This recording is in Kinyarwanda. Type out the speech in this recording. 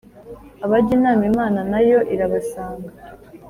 abajya inama imana nayo irabasanga